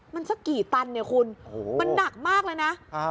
มันจะกี่ตันเนี่ยคุณ